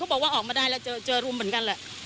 บอกว่าออกมาได้แล้วเจอรุมเหมือนกันแหละ